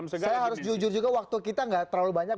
saya harus jujur juga waktu kita nggak terlalu banyak